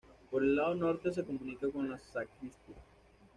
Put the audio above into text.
Por el lado norte se comunica con la sacristía.